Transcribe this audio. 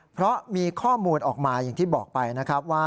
เพราะมีข้อมูลออกมาอย่างที่บอกไปนะครับว่า